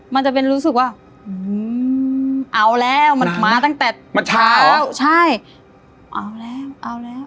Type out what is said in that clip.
มันจะเป็นรู้สึกว่าอืมเอาแล้วมันมาตั้งแต่มันเช้าใช่เอาแล้วเอาแล้ว